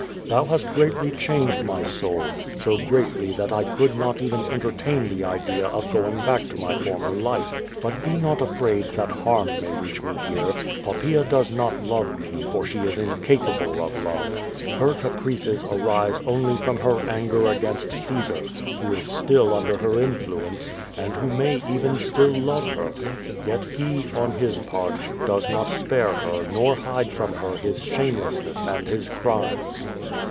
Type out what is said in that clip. Thou hast greatly changed my soul — so greatly that I could not even entertain the idea of going back to my former life. But be not afraid that harm may reach me here. Poppaea does not love me, for she is incapable of love. Her caprices arise only from her anger against Caesar, who is still under her influence, and who may even still love her. Yet he, on his part, does not spare her nor hide from her his shamclessness and his crimes.